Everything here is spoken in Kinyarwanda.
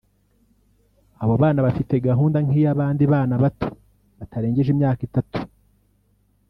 Abo bana bafite gahunda nk’iy’abandi bana bato batarengeje imyaka itatu